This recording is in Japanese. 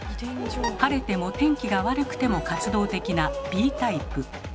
晴れても天気が悪くても活動的な「Ｂタイプ」。